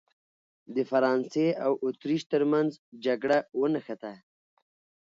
د فرانسې او اتریش ترمنځ جګړه ونښته.